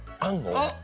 あっ。